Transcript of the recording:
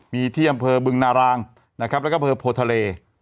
มีที่อำเภอบึงนารางนะครับแล้วก็อำเภอโพทะเล